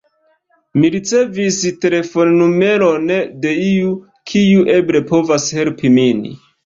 Mi ricevis telefonnumeron de iu, kiu eble povas helpi min.